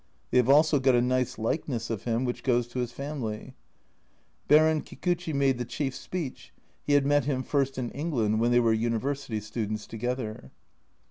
They have also got a nice likeness of him, which goes to his family. Baron Kikuchi made the chief speech ; he had met him first in England, when they were university students together.